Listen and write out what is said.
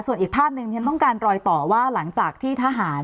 ส่วนอีกภาพหนึ่งฉันต้องการรอยต่อว่าหลังจากที่ทหาร